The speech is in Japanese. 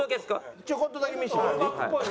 ちょこっとだけ見せてもらっていい？